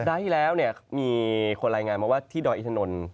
สัปดาห์ที่แล้วมีคนรายงานมาว่าที่ดอยอีธนนต์